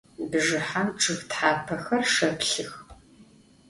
Bjjıhem ççıg thapexer şşeplhıx.